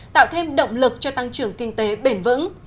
tạo thêm động lực cho tăng trưởng kinh tế bền vững